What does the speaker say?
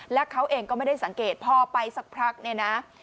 แล้วเขาเองก็ไม่ได้สังเกตพอไปสักพักเนี่ยนะ